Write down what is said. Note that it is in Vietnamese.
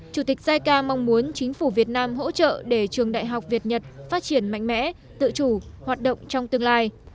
chủ tịch jica mong muốn chính phủ việt nam hỗ trợ để trường đại học việt nhật phát triển mạnh mẽ tự chủ hoạt động trong tương lai